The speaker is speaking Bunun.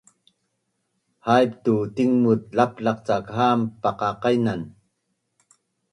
Haip tu tingmut laplaq cak han paqaqainan